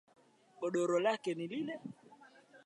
Godoro lake ni lile.